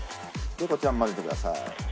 こちらも混ぜてください。